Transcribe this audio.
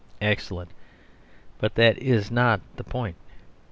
Excellent. But that is not the point.